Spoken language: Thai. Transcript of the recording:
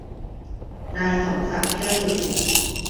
นายสมศักดิ์ เทพสุทิน